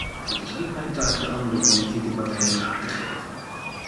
Het is niet mijn taak de andere politieke partijen raad te geven.